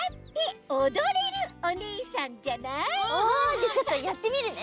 じゃあちょっとやってみるね。